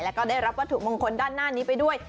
แล้วก็ได้รับวัตถุมงคลด้านหน้านี้ไปด้วย